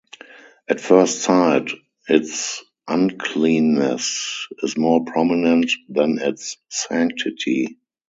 At first sight its uncleanness is more prominent than its sanctity.